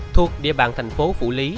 thuộc địa bàn thành phố phủ lý